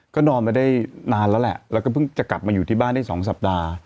ก็นอนมาได้นานแล้วแหละแล้วก็เพิ่งจะกลับมาอยู่ที่บ้านได้๒สัปดาห์